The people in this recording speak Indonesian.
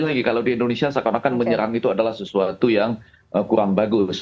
sekali lagi kalau di indonesia seakan akan menyerang itu adalah sesuatu yang kurang bagus